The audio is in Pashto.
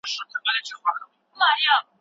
چي ګوربت خپل وزرونه خپاره کړي